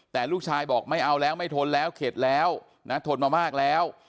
แต่ลูกชายบอกไม่เอาแล้วไม่ทนแล้วเข็ดแล้วนะทนมามากแล้ว